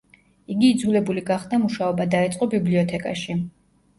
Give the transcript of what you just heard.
იგი იძულებული გახდა მუშაობა დაეწყო ბიბლიოთეკაში.